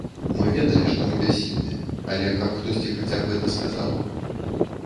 Мы ведалі, што мы бяссільныя, але каб хтосьці хаця б гэта сказаў.